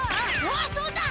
あっそうだ。